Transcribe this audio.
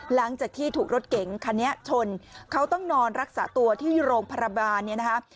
หลังจากที่ถูกรถเก๋งคันนี้ชนเขาต้องนอนรักษาตัวที่โรงพยาบาลเนี่ยนะคะ